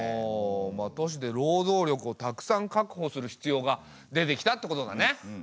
都市で労働力をたくさん確保する必要が出てきたってことだね。